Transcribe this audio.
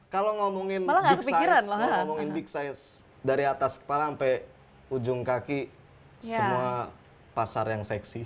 kalau ngomongin big size dari atas kepala sampai ujung kaki semua pasar yang seksi